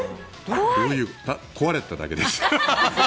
壊れてただけです。